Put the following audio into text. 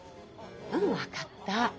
うん分かった。